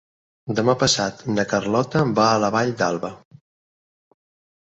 Demà passat na Carlota va a la Vall d'Alba.